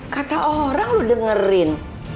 kata orang lu dengerin